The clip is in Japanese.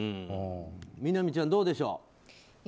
みなみちゃん、どうでしょう？